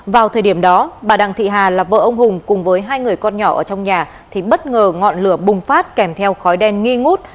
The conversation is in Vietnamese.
vào thời điểm đó bà đặng thị hà là vợ ông hùng cùng với hai người con nhỏ ở trong nhà thì bất ngờ ngọn lửa bùng phát kèm theo khói đen nghi ngút